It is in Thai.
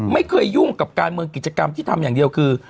ไม่เคยยุ่งกับการเมืองกิจกรรมที่ทำอย่างเดียวคือ